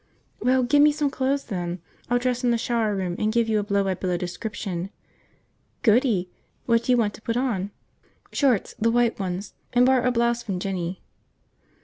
"Well, get me some clothes, then. I'll dress in the shower room and give you a blow by blow description." "Goody. What do you want to put on?" "Shorts. The white ones. And borrow a blouse from Jinny."